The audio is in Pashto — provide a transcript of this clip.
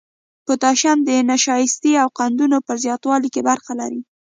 پوتاشیم د نشایستې او قندونو په زیاتوالي کې برخه لري.